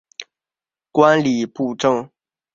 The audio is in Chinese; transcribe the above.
观礼部政。